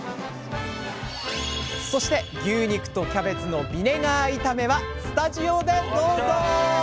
そして「牛肉とキャベツのビネガー炒め」はスタジオでどうぞ！